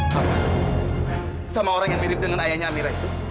sama orang yang mirip dengan ayahnya amira itu